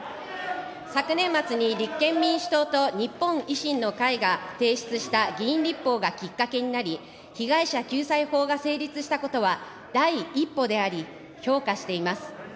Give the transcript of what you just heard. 昨年末に、立憲民主党と日本維新の会が提出した議員立法がきっかけになり、被害者救済法が成立したことは、第一歩であり、評価しています。